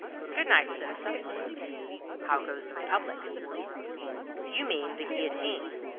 "Good night, citizen." "How goes the Republic?" "You mean the Guillotine.